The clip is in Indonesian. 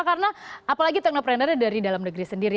karena apalagi teknoprenernya dari dalam negeri sendiri